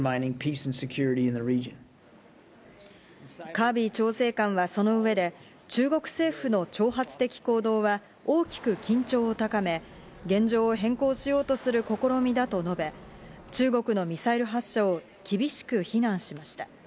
カービー調整官はその上で中国政府の挑発的行動は大きく緊張を高め、現状を変更しようとする試みだと述べ、中国のミサイル発射を厳しく非難しました。